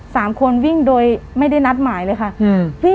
สามคนวิ่งโดยไม่ได้นัดหมายเลยค่ะอืมพี่